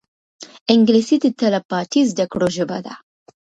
انګلیسي د تلپاتې زده کړو ژبه ده